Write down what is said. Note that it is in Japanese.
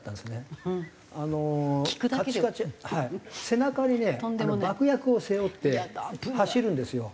背中にね爆薬を背負って走るんですよ。